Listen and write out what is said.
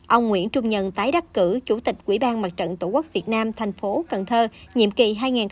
ông nguyễn trung nhân tái đắc cử chủ tịch quỹ ban mặt trận tổ quốc việt nam thành phố cần thơ nhiệm kỳ hai nghìn một mươi chín hai nghìn hai mươi bốn